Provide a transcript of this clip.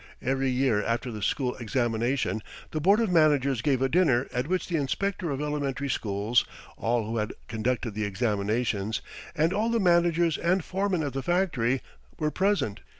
Every year after the school examination the board of managers gave a dinner at which the inspector of elementary schools, all who had conducted the examinations, and all the managers and foremen of the factory were present.